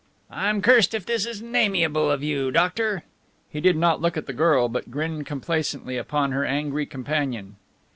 "I'm cursed if this isn't amiable of you, doctor!" He did not look at the girl, but grinned complacently upon her angry companion.